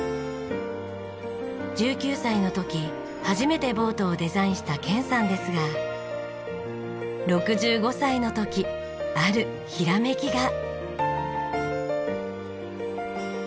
１９歳の時初めてボートをデザインしたケンさんですが６５歳の時あるひらめきが。